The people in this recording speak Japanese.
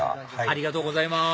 ありがとうございます